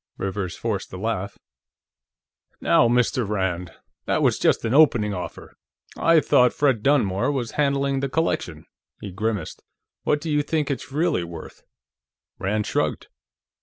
Rivers forced a laugh. "Now, Mr. Rand! That was just an opening offer. I thought Fred Dunmore was handling the collection." He grimaced. "What do you think it's really worth?" Rand shrugged.